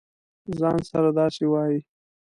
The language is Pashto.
ځـان سره داسې وایې.